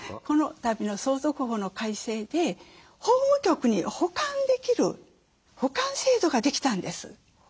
このたびの相続法の改正で法務局に保管できる保管制度ができたんです。